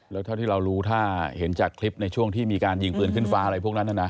แล้วเท่าที่เรารู้ถ้าเห็นจากคลิปในช่วงที่มีการยิงปืนขึ้นฟ้าอะไรพวกนั้นนะ